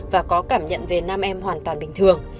và có cảm nhận về nam em hoàn toàn bình thường